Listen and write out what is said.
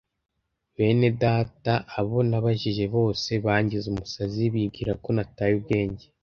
Benedata, abo nabajije bose bangize umusazi bibwira ko nataye ubwenge